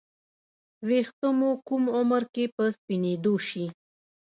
ې ویښته مو کوم عمر کې په سپینیدو شي